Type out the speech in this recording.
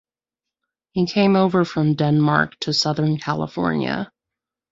He came over from Denmark to Southern California.